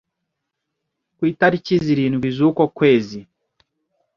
ku itariki zirindwi zuko kwezi